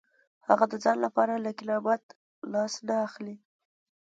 هغه د ځان لپاره له کرامت لاس نه اخلي.